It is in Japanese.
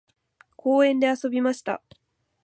公園で遊びました。